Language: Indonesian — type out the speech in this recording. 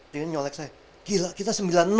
ternyata nyelek saya gila kita sembilan